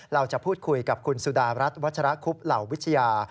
เราจะพูดคุยกับคุณสุดารัฐวัชรคุบเหล่าวิทยา